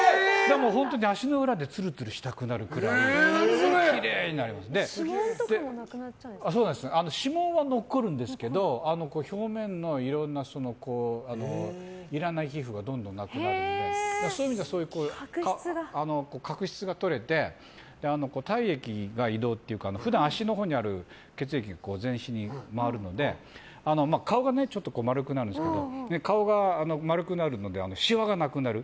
本当に足の裏でツルツルしたくなるくらい指紋とかも指紋は残るんですけど表面のいろんないらない皮膚がどんどんなくなるのでそういう意味じゃ、角質が取れて体液が移動っていうか普段、足のほうにある血液が全身に回るので顔が丸くなるんですけど顔が丸くなるのでしわがなくなる。